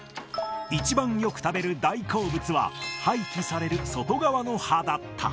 一番よく食べる大好物は廃棄される外側の葉だった。